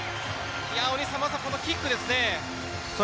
まずはこのキックですね。